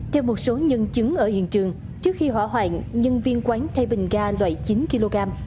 theo một số nhân chứng ở hiện trường trước khi hỏa hoạn nhân viên quán thay bình ga loại chín kg